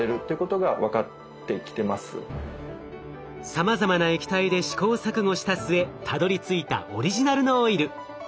さまざまな液体で試行錯誤した末たどりついたオリジナルのオイル。